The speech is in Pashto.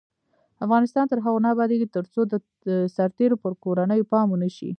افغانستان تر هغو نه ابادیږي، ترڅو د سرتیرو پر کورنیو پام ونشي.